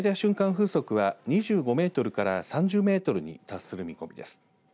風速は２５メートルから３０メートルに達する見込みです。